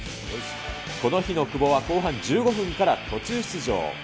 この日の久保は後半１５分から途中出場。